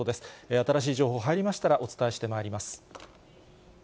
新しい情報入りましたら、お伝えしてまいります。